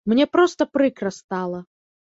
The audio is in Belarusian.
Мне проста прыкра стала.